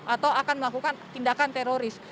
atau akan melakukan tindakan teroris